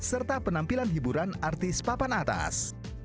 serta penampilan hiburan artis papan atas